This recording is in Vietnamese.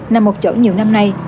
nằm một chỗ nhiều năm nay